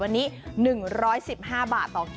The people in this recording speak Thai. วันนี้๑๑๕บาทต่อกิโล